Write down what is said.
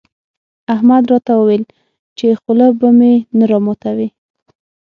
احمد راته وويل چې خوله به مې نه راماتوې.